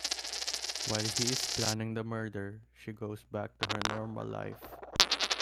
While he is planning the murder, she goes back to her normal life.